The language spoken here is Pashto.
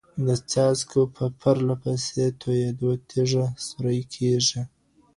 د څاڅکو په پرله پسې تویدو تیږه سورۍ کیږي.